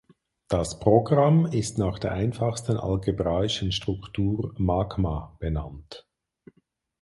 Das Programm ist nach der einfachsten algebraischen Struktur Magma benannt.